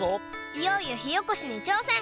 いよいよひおこしにちょうせん